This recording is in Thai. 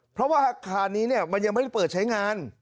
เพราะว่าอาคารนี้มันยังไม่ได้เปิดใช้งาน